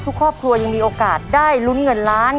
ครอบครัวยังมีโอกาสได้ลุ้นเงินล้าน